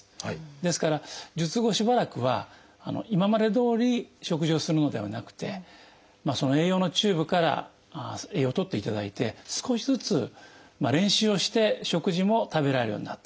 ですから術後しばらくは今までどおり食事をするのではなくてその栄養のチューブから栄養をとっていただいて少しずつ練習をして食事も食べられるようになっていくと。